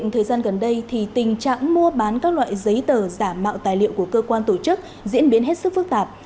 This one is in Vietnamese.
thời gian gần đây thì tình trạng mua bán các loại giấy tờ giả mạo tài liệu của cơ quan tổ chức diễn biến hết sức phức tạp